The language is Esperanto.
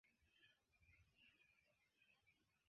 Ĉiu tago plenas de hazardoj.